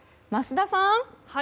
桝田さん！